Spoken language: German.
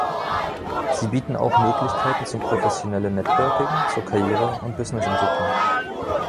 Sie bieten auch Möglichkeiten zum professionellen Networking, zur Karriere- und Businessentwicklung.